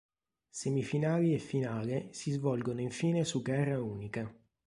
Semifinali e finale si svolgono infine su gara unica.